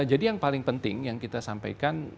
jadi yang paling penting yang kita sampaikan